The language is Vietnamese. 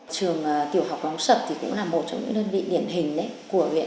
trường tiểu học bóng sập thì cũng là một trong những đơn vị điển hình của huyện